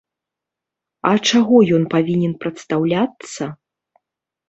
А чаго ён павінен прадстаўляцца?